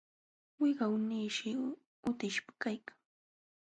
Wiqawnishi utishqa kaykan,